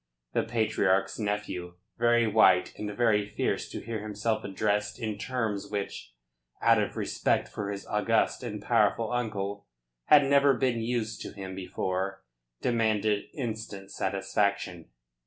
The Patriarch's nephew, very white and very fierce to hear himself addressed in terms which out of respect for his august and powerful uncle had never been used to him before, demanded instant satisfaction.